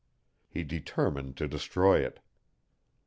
He determined to destroy it.